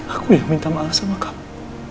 aku ya minta maaf sama kamu